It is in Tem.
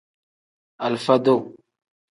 Alifa-duu.